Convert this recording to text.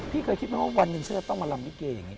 พี่เคยคิดไหมว่าวันนี้เชื่อต้องมาลำพี่เกย์อย่างนี้